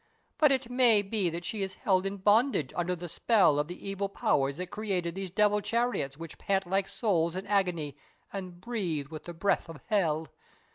But it may be that she is held in bondage under the spell of the evil powers that created these devil chariots which pant like souls in agony and breathe with the breath of Hell.